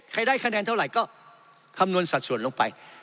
ได้คะแนนเท่าไหร่ก็คำนวณสัดส่วนลงไป